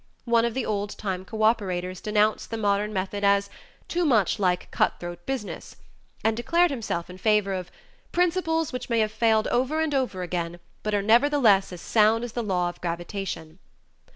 One of the old time cooperators denounced the modern method as "too much like cut throat business" and declared himself in favor of "principles which may have failed over and over again, but are nevertheless as sound as the law of gravitation."